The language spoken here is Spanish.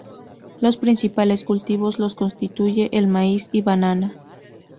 Los principales cultivos los constituyen el maíz y banana.